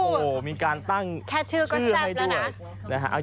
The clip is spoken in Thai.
โอ้โหมีการตั้งชื่อให้ด้วยแค่ชื่อก็แซ่บแล้วนะ